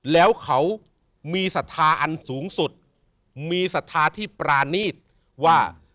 แล้วเขามีศรัทธาอันสูงสุดมีศรัทธาที่ปรานีตว่า